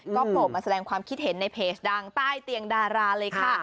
ก็โผล่มาแสดงความคิดเห็นในเพจดังใต้เตียงดาราเลยค่ะ